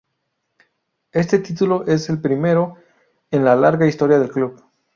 Este título es el primero en la larga historia del club.